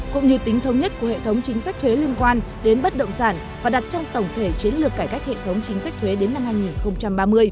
cũng như tính thông nhất của hệ thống chính sách thuế liên quan đến bất động sản và đặt trong tổng thể chiến lược cải cách hệ thống chính sách thuế đến năm hai nghìn ba mươi